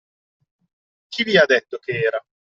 Chi vi ha detto che era.